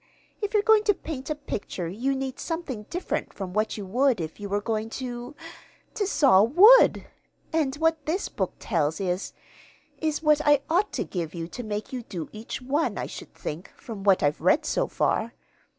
If you're going to paint a picture you need something different from what you would if you were going to to saw wood; and what this book tells is is what I ought to give you to make you do each one, I should think, from what I've read so far.